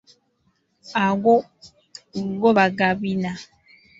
Ago go bagabina.